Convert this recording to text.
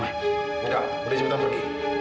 enggak udah cepetan pergi